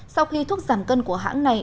sau khi thuốc giảm cân của hãng này